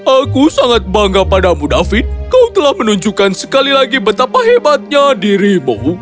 aku sangat bangga padamu david kau telah menunjukkan sekali lagi betapa hebatnya dirimu